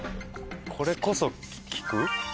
これこそ聞く？